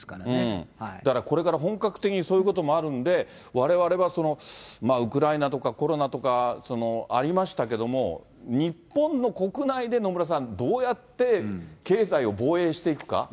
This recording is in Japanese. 下見しないで、物件見ないで買っだからこれから本格的にそういうこともあるんで、われわれはウクライナとか、コロナとかありましたけども、日本の国内で、野村さん、どうやって経済を防衛していくか。